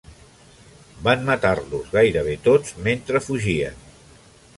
Van matar-los gairebé tots mentre fugien.